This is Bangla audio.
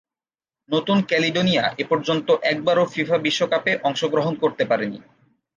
নতুন ক্যালিডোনিয়া এপর্যন্ত একবারও ফিফা বিশ্বকাপে অংশগ্রহণ করতে পারেনি।